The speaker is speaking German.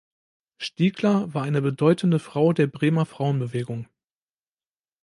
Stiegler war eine bedeutende Frau der Bremer Frauenbewegung.